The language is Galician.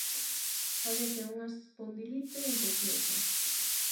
Padece unha espondilite infecciosa.